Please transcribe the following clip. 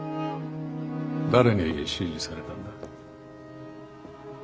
誰に指示されたんだ。